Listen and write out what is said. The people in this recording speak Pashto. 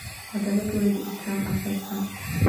عدالت ولې د اسلام اساس دی؟